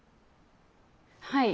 はい。